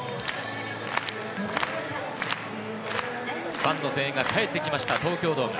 ファンの声援が帰ってきました東京ドーム。